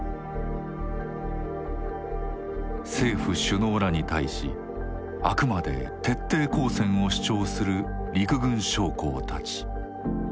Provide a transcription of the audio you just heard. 政府首脳らに対しあくまで徹底抗戦を主張する陸軍将校たち。